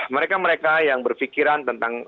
mereka mereka yang berpikiran tentang